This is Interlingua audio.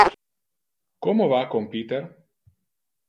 Como va con Peter?